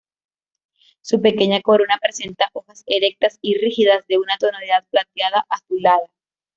Su pequeña corona presenta hojas erectas y rígidas, de una tonalidad plateada-azulada.